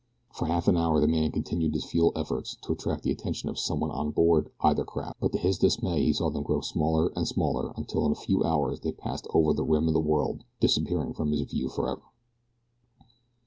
For half an hour the man continued his futile efforts to attract the attention of someone on board either craft, but to his dismay he saw them grow smaller and smaller until in a few hours they passed over the rim of the world, disappearing from his view forever.